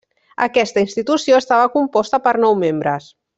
Aquesta institució estava composta per nou membres.